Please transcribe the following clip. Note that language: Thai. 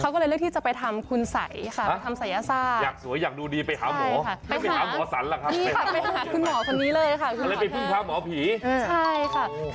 ก็เลยเลือกที่จะไปทำสรีจักร